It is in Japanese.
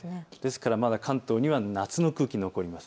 まだ関東には夏の空気が残ります。